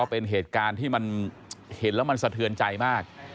เป็นเหตุการณ์ที่มันเห็นแล้วมันสะเทือนใจมาก